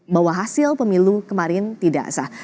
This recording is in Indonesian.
bahwa hasil pemilu kemarin tidak sah